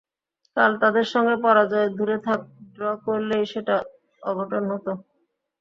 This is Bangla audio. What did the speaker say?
কাল তাদের সঙ্গে পরাজয় দূরে থাক, ড্র করলেই সেটা অঘটন হতো।